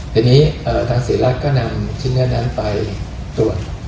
ทีนี้ทางศรีรัฐก็นำชิ้นเนื้อนั้นไปตรวจ